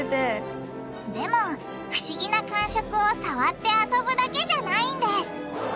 でも不思議な感触を触って遊ぶだけじゃないんです。